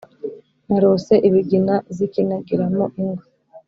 Narose Ibigina zikinagiramo ingwe